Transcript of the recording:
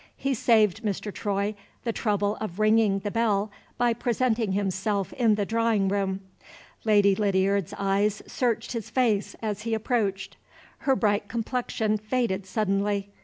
He saved Mr. Troy the trouble of ringing the bell by presenting himself in the drawing room. Lady Lydiard's eyes searched his face as he approached. Her bright complexion faded suddenly.